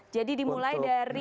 jadi dimulai dari